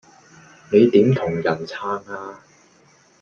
你點同人撐呀